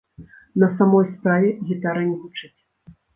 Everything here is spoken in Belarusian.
На самой справе, гітара не гучыць.